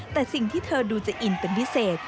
แต่สิ่งที่เธอดูจะอินเป็นพิเศษ